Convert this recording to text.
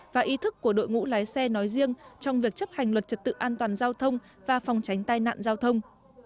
và ý thức của đội ngũ lái xe nói riêng trong việc chấp hành luật trật tự an toàn giao thông và phòng tránh tai nạn giao thông